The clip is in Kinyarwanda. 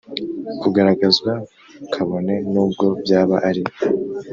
kugaragazwa kabone n ubwo byaba ari